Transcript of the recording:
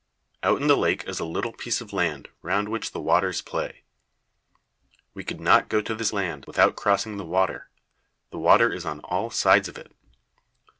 Out in the lake is a little piece of land round which the waters play. We could not go to this land without crossing the water; the water is on all sides of it.